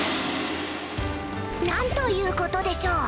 何ということでしょう！